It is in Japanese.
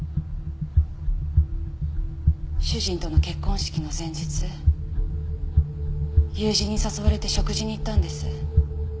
主人との結婚式の前日友人に誘われて食事に行ったんです。